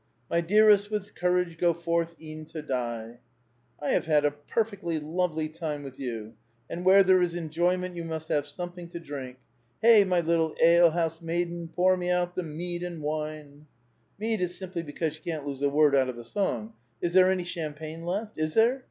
My dearest, with courage Go forth e'en to die 1 *' I have had a perfectly lovely time with you ; and where there is enjoyment, 3^ou must have something to drink. Hey I my little ale bouse maiden, Pour me out the mead and wine !'* Mead is simply because you can't lose a word out of the song. Is there any champagne left? is there?